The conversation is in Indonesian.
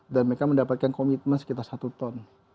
dan mereka mendapatkan komitmen sekitar satu ton